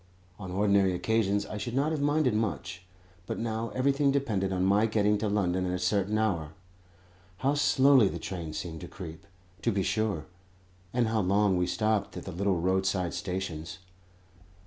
On ordinary occasions I should not have minded much, but now everything depended on my getting to London at a certain hour. How slowly the train seemed to creep, to be sure; and how long we stopped at the little roadside stations!